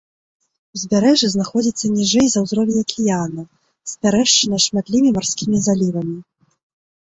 Узбярэжжа знаходзіцца ніжэй за ўзровень акіяна, спярэшчана шматлікімі марскімі залівамі.